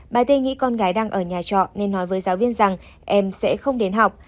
bà tê nghĩ con gái đang ở nhà trọ nên nói với giáo viên rằng em sẽ không đến học